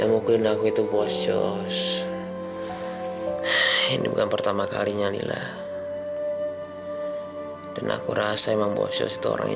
yang mukul aku itu bos jos ini bukan pertama kalinya lila dan aku rasa memang bos itu orang